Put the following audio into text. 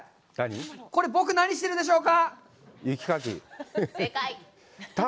これ、僕何してるでしょうか。